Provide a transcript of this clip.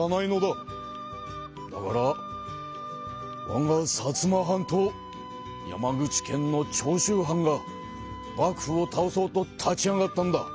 だからわが薩摩藩と山口県の長州藩が幕府を倒そうと立ち上がったんだ。